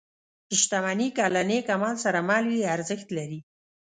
• شتمني که له نېک عمل سره مل وي، ارزښت لري.